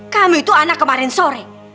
kami itu anak kemarin sore